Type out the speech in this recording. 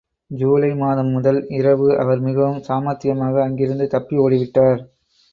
ஜூலை மாதம் முதல் இரவு அவர் மிகவும் சாமர்த்தியமாக அங்கிருந்து தப்பி ஓடி விட்டார்.